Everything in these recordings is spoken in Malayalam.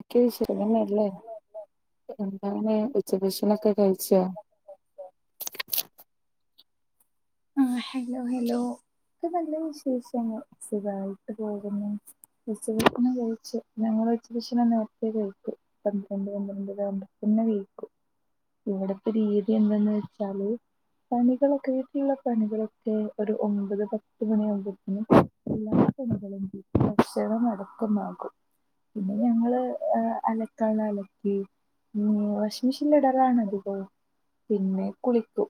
ഒക്കെ സുഖമല്ലേ എന്താണ് ഉച്ച ഭഷ് ഒക്കെ കഴിച്ചോ ആ ഹലോ ഹലോ [unintelligible] [unintelligible] സുഖായി [unintelligible] ഉച്ചഭഷണം കഴിച്ചു ഞങ്ങൾ ഉച്ച ഭക്ഷണം നേരത്തെ കഴിക്കും. പന്ത്രണ്ട് പന്ത്രണ്ടര ആകുമ്പോ തന്നെ കയിക്കും ഇവിടത്തെ രീതി എന്തെന്ന് വെച്ചാല് പണികളൊക്കെ വീട്ടുള്ളക്കെ പണികളൊക്കെ ഒരു ഒമ്പത് പത്ത് മണിയാകുമ്പോത്തിനും എല്ലാ പണികളും ഭക്ഷണം അടക്കമാകും. പിന്നെ ഞങ്ങള് അലകാള്ള അലക്കി മ് വാഷിംഗ് മെഷീനിൽ ഇടലാണ് അധികവും പിന്നെ കുളിക്കും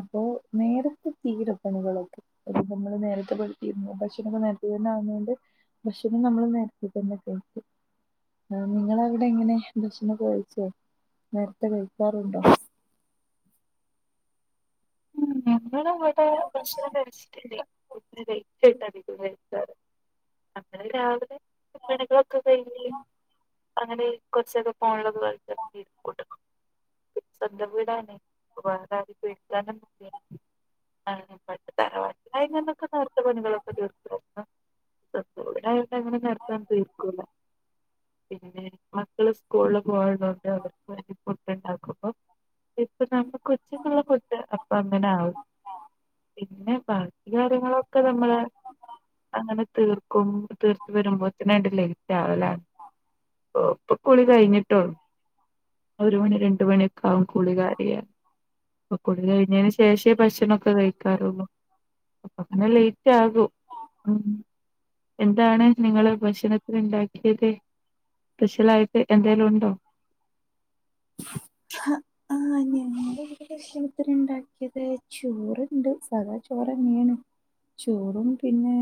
അപ്പോ നേര തീരും പണികളൊക്കെ അപ്പോ നമ്മള് നേരത്തെ ഭക്ഷണ ണൊക്കെ നേരത്തെ തന്നെ ആവുന്നോണ്ട് ഭക്ഷണം നമ്മൾ നേരത്തെ തന്നെ കഴിക്കും നിങ്ങളെ അവിടെ എങ്ങനെ ഭക്ഷണൊക്കെ കഴിച്ചോ? നേരത്തെ കഴിക്കാറുണ്ടോ? [unintelligible] ഭക്ഷണം കയ്ച്ചിട്ടില്ല [unintelligible] [unintelligible] രാവിലെ പണികളൊക്കെ ആഹ് കഴിഞ്ഞ് [unintelligible] അങ്ങനെ കുറച്ചൊക്കെ ഫോണിലൊക്കെ കളിച്ചങ്ങനെ ഇരിക്കുട്ടോ സ്വന്തം വീടാണ് വേറെ ആരേം പേടിക്കാനൊന്നൂല്ല നേരത്തെ പണികളൊക്കെ [unintelligible] തീർക്കുവാരുന്നു. സ്വന്തം വീടായോണ്ട് അങ്ങനെ നേരത്തെ ഒന്നും തീർക്കൂല പിന്നെ മക്കള് സ്കൂളില് പോയോ അതെ അതെ ഉ [unintelligible] അപ്പ അങ്ങനെ ആ കാര്യങ്ങളൊക്കെ നമ്മള് അങ്ങനെ തീർക്കും തീർത്ത് വരുമ്പോത്തിനാണ്ട് ലേറ്റ് ആവലാണ് ഇപ്പ കുളി കഴിഞ്ഞിട്ടോള്ളു ഒരു മണി രണ്ട്മണി ഒക്കെ ആകും കുളി കയിയാൻ അപ്പൊ കുളി കഴിഞ്ഞതിന് ശേഷേ ഭക്ഷണൊക്കെ കഴിക്കാറുള്ളൂ അപ്പങ്ങനെ ലൈറ്റാകും. ഉം എന്താണ് നിങ്ങള് ഭക്ഷണ ത്ത്ന്ണ്ടാക്കിയത് പെഷ്യലായിട്ട് എന്തേലും ഒണ്ടോ ഹ ആ [unintelligible] ഇന്ന് ഭക്ഷണത്തിന് ഇണ്ടാക്കിയത് ചോറ്ണ്ട് സാധാ ചോ റന്യേണ് ചോറും പിന്നെ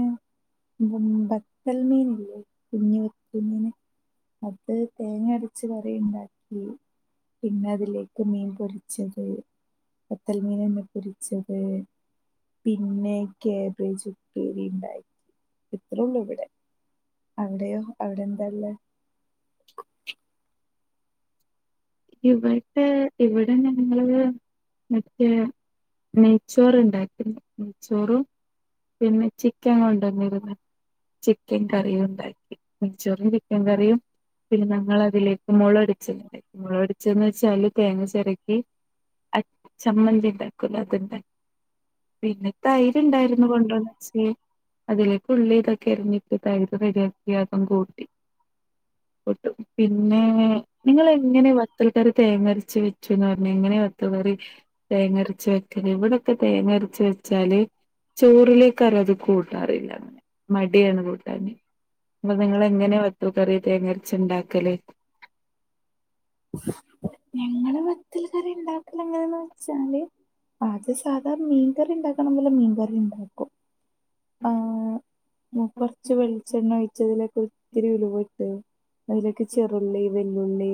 [unintelligible] അൽമീൻ ഇല്ലേ കുഞ്ഞിവ കുഞ്ഞിന് അട്ത്ത തേങ്ങ അരച്ചു കറി ഉണ്ടാക്കി പിന്ന അതിലേക്കു മീൻ പൊരിച്ചത് പത്തൽ മീന് ന്നെ പൊരിച്ചത് പിന്നെ ക്യാബേജ് ഉപ്പേരി ഇണ്ടാക്കി ഇത്രൊള്ളു ഇവിടെ അവിടെയോ അവിടെന്താള്ളത് ഇവടെ ഇവടെ ഞങ്ങള് മറ്റേ നെയ്ച്ചോറുണ്ടാക്കുന്നു നെയ്ച്ചോറും പിന്നെ ചിക്കൻ കൊണ്ടന്നിരുന്നു ചിക്കൻ കറി ഉണ്ടാക്കി നെയ്ച്ചോറും ചിക്കൻ കറിയും പിന്നെ ഞങ്ങളതിലേക്ക് മൊളടിച്ചത് ഇണ്ട് മൊള അടിച്ചന്ന് വെച്ചാല് തേങ്ങ ചെരകി അ ചമ്മന്തി ഉണ്ടാക്കൂ ലെ അതന്നെ പിന്നെ തൈര്ണ്ടായിരുന്നു കൊണ്ടന്ന്ച്ചെ അതിലേക്ക് ഉള്ളിയൊക്കെ എരിഞ്ഞിട്ട് തൈര് റെഡിയാക്കി അതും കൂട്ടി കൂട്ടും പിന്നെ നിങ്ങളെ എങ്ങനെ വത്തൽക്കറി തേങ്ങരച്ച് വെച്ചുന്ന്റഞ്ഞെ എങ്ങനെയ വത്തൽക്കറി തേങ്ങരച്ച് വെക്കല് ഇവിടൊക്കെ തേങ്ങരച്ച് വെച്ചാല് ചോറിലേക് ആരു അത്ക്കൂട്ടാറില്ല അങ്ങനെ മടിയാണ് കൂട്ടാന് ങ്ങൾനെ നിങ്ങളെങ്ങനെയ വത്തൽക്കറി തേങ്ങരച്ച് ഉണ്ടാക്കല് ഞങ്ങള് വത്തൽ കറി ഇണ്ടാക്കലങ്ങെനേന്ന് വെച്ചാല് പാച ത് സധാ മീൻകറി ഉണ്ടാക്കണ ലം മീൻ കറി ഉണ്ടാക്കും ആഹ് ഉം കൊറച്ച് വെളിച്ചെണ്ണ ഒയിച്ചതിലേക്ക് ഒരിത്തിരി ഉലുവ ഇട്ട് അയിലേക്ക് ചെറുള്ളി വെ ല്ലുള്ളി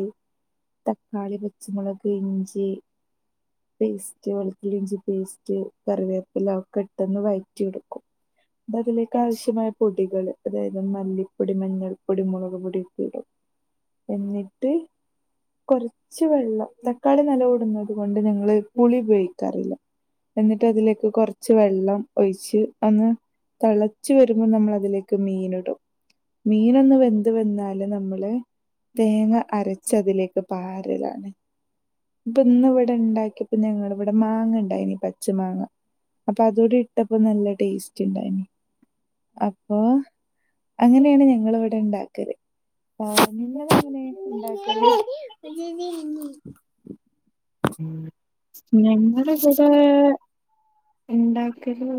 തക്കാളി പച്ചമുളക് ഇഞ്ചി പേസ്റ്റ് വെളുത്തുള്ളി ഇഞ്ചി പേസ്റ്റ് കറിവേപ്പിലാ ഒക്കെ ഇട്ട് ഒന്ന് വഴറ്റി എടുക്കും ദതിലേക്ക് ആവശ്യമായ പൊടികള് അതായത് മല്ലിപ്പൊടി മഞ്ഞൾപ്പൊടി മുളക്പൊടി ഉപ്പ് ഇടും എന്നിട്ട് കൊറച്ച് വെള്ളം തക്കാളി നല്ലോം ഇടുന്നത് കൊണ്ട് ഞങ്ങള് പുളി ഉപയോഗിക്കാറില്ല എന്നിട്ട് അതിലേക്ക് കൊറ ച്ചു വെള്ളം ഒയിച്ച് അന്ന് തെളച്ചു വരുമ്പം നമ്മൾ അതിലേ ക്ക് മീൻ ഇടും മീനൊന്ന് വെന്ത് വെന്നാല് നമ്മള് തേങ്ങ അരച്ചതിലേ പാരലാണെ ത് ഇന്ന്‌ ഇവിടെ ഇണ്ടാക്കി ഞങ്ങളിവിട മാങ്ങ ഇണ്ടായിനി പച്ച മാങ്ങ അപ്പൊ അതൂടെ ഇട്ടപ്പോ നല്ല ടേസ്റ്റ് ഇണ്ടായിനി അപ്പൊ അങ്ങനെയാണ് ഞങ്ങൾ ഇവിടെ ഉണ്ടാ ക്കരെ ആ നിങ്ങൾ എങ്ങനെ ഉണ്ടാക്കല് [unintelligible] ഉം ഞങ്ങളിവിടെ ഇണ്ടാക്കല്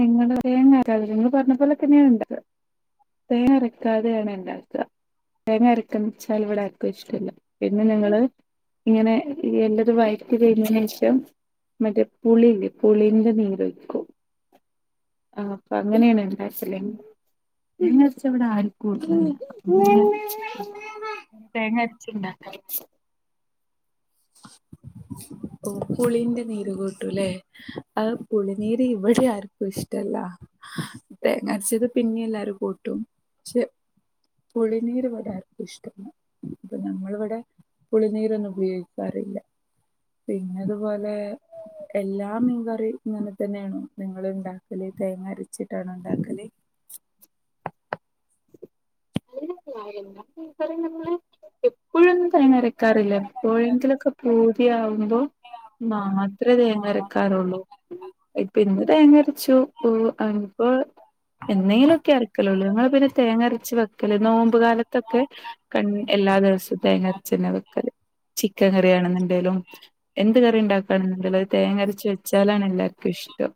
നിങ്ങള് വേ കാര്യങ്ങൾ പറഞ്ഞ പോലൊക്കെന്നെയാണ് ഉള്ളത്. [unintelligible] ാക്ക തേങ്ങ അരക്കാ വച്ചാൽ ഇവിടെ ആർക്കും ഇഷ്ടമല്ല പിന്നെ ഞങ്ങള് ഇങ്ങനെ എല്ലാരും വയറ്റീന്ന് പോയതിന് ശേഷം മറ്റേ പുളിയില്ലേ പുളീന്റെ നീരൊഴിക്കും. ആ അപ്പൊ അങ്ങനെയാണ് [unintelligible] തേങ്ങ അരച്ചവിടെ ആരിക്കും [unintelligible] തേങ്ങ അരച്ചു ഉണ്ടാക്ക [inaudible] ഓ പുളിന്റെ നീരു ഇല്ലേ ആ പുളിനീര് ഇവിടെ ആർക്കും ഇഷ്ടല്ല തേങ്ങാരച്ചത് പിന്നെ എല്ലാരും കൂട്ടും പക്ഷെ - പുളിനീര് ഇവിടെ ആർക്കും ഇഷ് അപ്പൊ നമ്മളിവിടെ പുളിനീര് തന്നെ ഉപയോഗിക്ക ആരുമില്ല പിന്നെതുപോലെ എല്ലാം മീൻകറി ഇങ്ങനെ തന്നെയാണോ നിങ്ങള് ഉണ്ടാക്കല് തേങ്ങ അരച്ചിട്ടാണോ ഉണ്ടാക്കല്? [unintelligible] എപ്പോഴൊന്നും തേങ്ങരക്കാറില്ല എപ്പോഴെങ്കിലൊക്കെ പോ [unintelligible] ആവുമ്പോ മാത്രമേ തേങ്ങരക്കാറുള്ളൂ പി തേങ്ങര [unintelligible] എന്നേലുംലൊക്കെ അരക്കല്ലോള്ളൂ ഞങ്ങള് പിന്നെ തേങ്ങരച്ച് വെ നോമ്പ്കാലത്തൊക്കെ ക എല്ലാ ദിവസവും തേങ്ങരച്ച് തന്നെ വെക്ക. ചിക്കൻ കറിയ ആണെന്നുണ്ടെങ്കിലും എന്ത് കറി ഉണ്ടാക്കുകയാണെന്നുണ്ടെങ്കിലും അത് തേങ്ങരച്ച് വച്ചാലാണ് എല്ലാർക്കും ഇഷ്ടം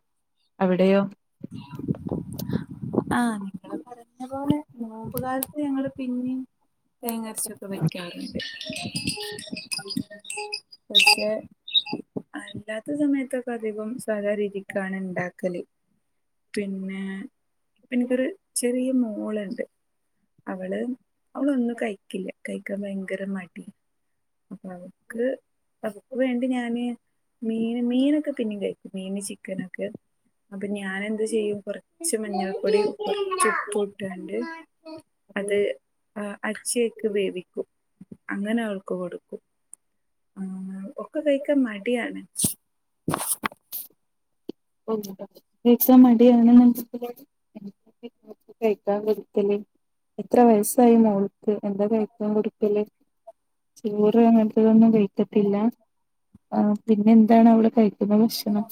അവിടെയോ? ആഹ് നിങ്ങള് പറഞ്ഞ പോലെ നോമ്പുകാലത്ത് ഞങ്ങള് പിന്നെയും തേങ്ങരച്ചൊക്കെ വെക്കാറുണ്ട്. പക്ഷേ അല്ലാത്ത സമയത്തൊക്കെ അധികം സാധാ രീതിക്കാണ് ഉണ്ടാക്കല് പിന്നെ ഇപ്പൊ എനിക്കൊരു ചെറിയ മോളുണ്ട്. അവള് അവളൊന്നും കയിക്കില്ല കയി ക്കാൻ ഭയങ്കര മടി അപ്പ അവക്ക് അവക്ക് വേണ്ടി ഞാന് മീൻ മീനൊക്കെ പിന്നെ കഴ മീൻ ചിക്കനൊക്കെ അപ്പൊ ഞാൻ എന്ത് ചെയ്യും റച്ച് മഞ്ഞപ്പൊടി റച്ച് ഉപ്പും ഇട്ടണ്ട് അത് അച്ചിയക്ക് വേവിക്കും അങ്ങനെ അവൾക്ക് കൊടുക്കും ആ ഒക്കെ കഴിക്കാൻ മടിയാണ്. ഒന്നൂട്ടാ [unintelligible] ച്ച മടിയാണെ [unintelligible] [unintelligible] ക്കാൻ കൊടുക്കല് [unintelligible] എത്ര വയസ്സായി മോൾക്ക് എന്താ കഴിക്കാൻ കൊടുക്കല് ചോറ് അങ്ങനത്തെതൊന്നും കഴി പറ്റില്ല ആ പിന്നെ എന്താണ് അവള് കഴി ന്താ ഭക്ഷണം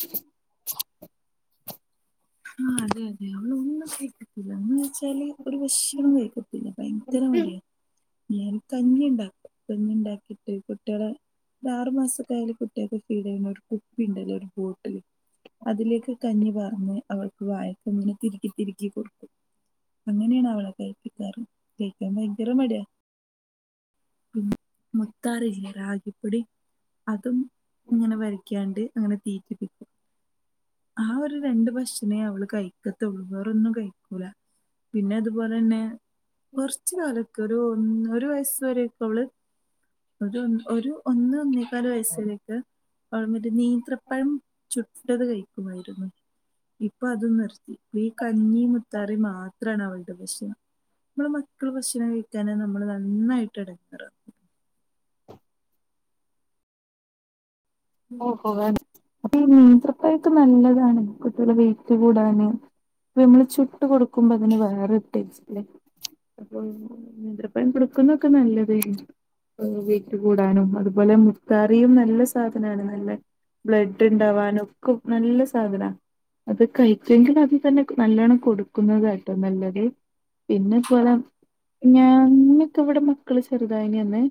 ആ അതെഅതേ ഇവള് ഒന്നും കഴിക്കു ല്ലാന്ന് വെച്ചാല് ഒരു ഭക്ഷണം കഴിക്കത്തില്ല ഭയങ്കര മടിയാ ഞാൻ കഞ്ഞി ഇണ്ടാക്കും കഞ്ഞി ണ്ടാക്കിട്ട് കുട്ട്യളെ ഒരാറു മാസൊക്കായാല് കുട്ട്യൾക്ക് ഫീഡെണ ഒരു കുപ്പി ണ്ടല്ലോ ഒരു ബോട്ടില് അതിലേക്ക് കഞ്ഞി പാർന്ന് അവൾക്ക് വായ്ക്ക് ങ്ങനെ തിരികി തിരികി കൊടുക്കും അങ്ങനെയാണ് അവളെ കഴപ്പിക്കാറ് കഴിക്കാൻ ഭയങ്കര മട്യാ മക്കാറില്ലേ റാ ഇപ്പടി അതും ഇങ്ങനെ വരക്ക്യാണ്ട് അങ്ങനെ തീറ്റിപ്പിക്കും ആഹ് ഒരു രണ്ട് ഭക്ഷണേ അവള് കഴിക്കത്തൊള്ളൂ വേറൊന്നും കഴിക്കൂല പിന്നെ അതുപോലെന്നെ കൊർച്ച് കാലക്കൊരു ഒരു വയസു വരെ ക്കവള് ഒര് ഒരു ഒന്ന് ഒന്നേകാല് വയസ്സുവരെക്കെ അവള് മറ്റേ നീന്ത്രപ്പഴം ചുട്ടത് കഴിക്കുമായിരുന്നു ഇപ്പൊ അതും നിർത്തി വീക് കഞ്ഞി മുത്താറി മാ ത്രാണ് അവളുടെ ഭക്ഷണം നമ്മളെ മക്കള് ഭക്ഷണം കഴിക്കാഞ്ഞ നമ്മള് നന്നായിട്ട് എടങ്ങേറാവും ഓഹോ അപ്പ ഈ നീന്ത്രപ്പഴൊക്കെ നല്ലതാണ് കുട്ടികൾടെ വെയിറ്റ് കൂടാന് ഇത് നമ്മള് ചു ട്ട് കൊടുക്കുമ്പോ അതിന് വേറെ നേന്ത്രപ്പഴം കൊടുക്കുന്നതൊക്കെ നല്ലതായിരുന്നു. വെയ്റ്റ് കൂടാനും അതുപോലെ മു കറിയും നല്ല സാ നല്ല ബ്ലഡ് ഇണ്ടാവാനൊക്കെ നല്ല സാധന അത് കഴിച്ചെങ്കിൽ അത് തന്നെ ക് നല്ലണം കൊടുക്കുന്നതായി ട്ട നല്ലത് പിന്നെ ഇതു പോലെ ഞങ്ങളൊക്കെ ഇവിടെ മക്കള് ചെറുതായി തന്ന്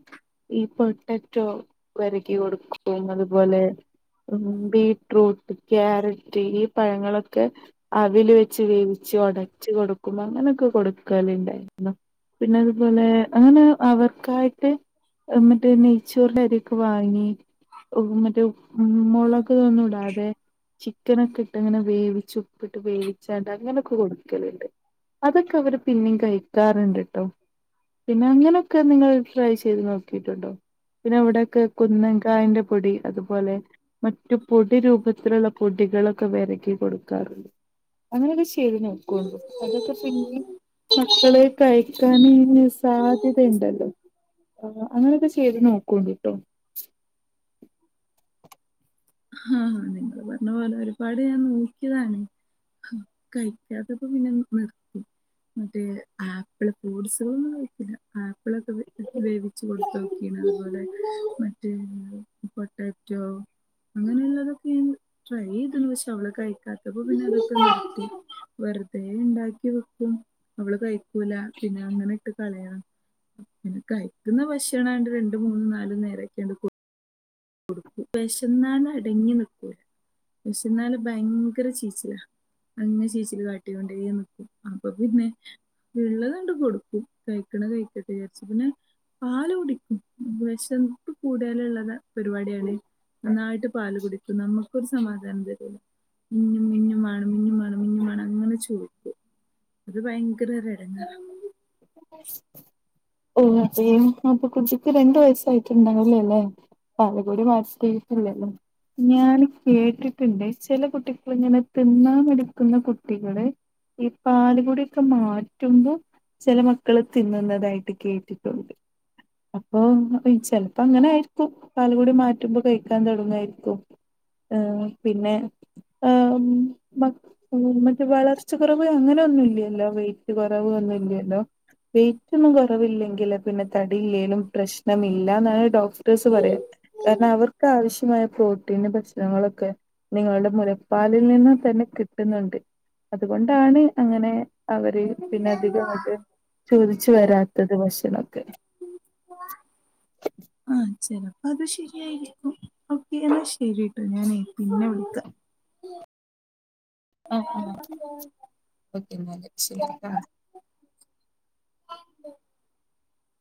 ഈ പൊട്ടറ്റോ വരകി കൊടുക്കും അതുപോലെ മുന്തി ബീറ്റ്റൂട്ട് ക്യാരറ്റ് ഈ പഴങ്ങളൊക്കെ ആവീല് വെച്ച് വേവിച്ച് ഉടച്ച് കൊടുക്കുമ്പോ അങ്ങനെ കൊടുക്കലുണ്ടായിരുന്ന പിന്നെ അതുപോലെ അങ്ങനെ അവർക്കായിട്ട് എന്നിട്ട് നെയ്ച്ചോറിന്റെ അരിയൊക്കെ വാങ്ങി ഓ മറ്റേ ഉം മോളൊകൊന്നും ഇടാതെ ചിക്കനൊക്കെ ഇട്ട് അങ്ങനെ വേവിച്ച് ഉപ്പിട്ട് വേവിച്ചാണ്ട് അങ്ങനൊക്കെ കൊടുക്കലുണ്ട് അതൊക്കെ അവര് പിന്നെയും കഴിക്കാറുണ്ട് കേട്ടോ പിന്നെ അങ്ങനെയൊക്കെ നിങ്ങൾ ട്രൈ ചെയ്ത് നോക്കിട്ടുണ്ടോ പിന്നെ അവിടെക്കെ കുന്നങ്കായന്റെ പൊടി അതുപോലെ മറ്റു പൊടി രൂപത്തിലുള്ള പൊടികളൊക്കെ വരക്കി കൊടുക്കാറു അങ്ങനെ ഒകെ ചെയ് ചെയ്ത് നോക്കുള്ളു അതൊക്കെ പിന്നെ മക്കളെ കഴിക്കാൻ സാധ്യതുണ്ടല്ലോ ഓ അങ്ങനെയൊക്കെ ചെയ്ത് നോക്കോണ്ട് കേട്ടോ ആഹ് നിങ്ങള് പറഞ്ഞ പോലെ ഒരുപാട് ഞാൻ നോക്കിയതാണ് കഴിക്കാത്തൊക്ക പിന്നെ നിർത്തി മറ്റേ ആപ്പിള് ഫൂഡ്സുകളൊന്നും കഴിക്കില്ല ആപ്പിള ഒക്കെ വേവിച്ച് കൊടുത്തു നോക്കീണ് അതുപോലെ മറ്റേ പൊട്ടാറ്റോ അങ്ങനെയുള്ളതൊക്കെ ഞാൻ ട്രൈ ചെയ്തു പക്ഷെ അവള് കഴിക്കാത്തപ്പോ പിന്നെ അതൊക്കെ നിർത്തി വർ അതേ ഉണ്ടാക്കി വെക്കും അവള് കഴിക്കൂല പിന്നെ അങ്ങനെ ഇട്ട് കളയണം പിന്നെ കഴിക്കുന്ന ഭക്ഷണംണ്ട് രണ്ട് മൂന്നും നാലും നേരൊക്കെയണ്ട് കൊ കൊടുക്കും വിശന്നാണ് അടങ്ങി നിക്കൂല പക്ഷ എന്നാല ഭയങ്കര ചീച്ചിലാ അങ്ങന ചീച്ചില് കാട്ടൊണ്ട നിക്കും അപ്പൊ പിന്നെ വിള്ള കണ്ട് കൊടുക്കും കഴിക്കണ കഴിക്കട്ട് വിചാരിച്ചു പിന്നെ പാല് കുടിക്കും വിശപ്പ് കൂടിയാല ഉള്ളത് പരിപാടിയണെങ്കിൽ നന്നായിട്ട് പാല് കുടിക്കും നമുക്കൊരു സമാധാനം തരില്ല മിഞ്ഞുമാേണം മിഞ്ഞുമാേണം അങ്ങനെ ചോദിക്കു അത് ഭയങ്കരടങ്ങറാ ഓ അപ്പൊ കുട്ടിക്ക് രണ്ട് വയസ് ട്ടയിട്ടുണ്ടില്ലേ അല്ലേ പാലഗൂടി മാർച് കേട്ടില്ലല്ലോ ഞാൻ കേട്ടിട്ടുണ്ട് ചില കുട്ടികളി ഇങ്ങനെ തിന്ന എടുക്കുന്ന കുട്ടികള് ഈ പാലുകൂടി ഒക്കെ മാറ്റുമ്പോ ചില മക്കള് തിന്നുന്നതായിട്ട് കേട്ടിട്ട് ട്ടിട്ടുണ്ട് ആ ഓ ചിലപ്പോ അങ്ങനെയാ കും പാല് കൂടി മാറ്റുമ്പോ കൈ ക്കാൻ തുടങ്ങായിരിക്കും ഏഹ് പിന്നെ മാ മറ്റേ വളർച്ച കുറവ് അങ്ങനെ ഒന്നുമില്ലല്ലോ വെയിറ്റ് കുറവ് ഒന്നുമല്ല ലൊ വെയ്റ്റ് ഒന്നും കുറവില്ലെങ്കില് പിന്നെ തടിയില്ലെലും പ്രശ്നമില്ല എന്നാണ് ഡോക്ടേഴ്സ് പറയാ കാരണം അവർക്ക് ആവശ്യ നായ പ്രോട്ടീൻ ഭക്ഷണങ്ങളൊക്കെ നിങ്ങളുടെ മുലപ്പാലിൽ നിന്നും തന്നെ കിട്ടുന്നുണ്ട് അതുകൊ ണ്ടാണ് അങ്ങനെ അവര് പിന്നെ അധികമാത്തെ. ചോദിച്ചു വരാത്തത് വശനൊക്കെ. ആ ചെലപ്പോ അത് ശരിയായിരിക്കും. ഓക്കെ എന്നാ ശരിട്ടോ ഞാനേ പിന്നെ വിളിക്ക ആഹ് ആഹ് പിന്നെ രക്ഷയില്ലട്ടാ [unintelligible]